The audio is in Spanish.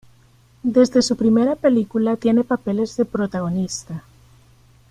Desde su primera película tiene papeles de protagonista.